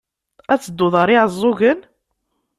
Ad tedduḍ ɣer Iɛeẓẓugen?